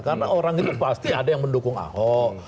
karena orang itu pasti ada yang mendukung ahok